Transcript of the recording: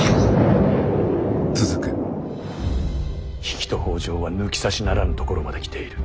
比企と北条は抜き差しならぬところまで来ている。